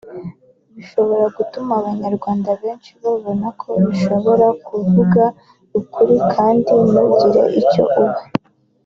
bishobora gutuma abanyarwanda benshi babona ko bishoboka kuvuga ukuri kandi ntugire icyo uba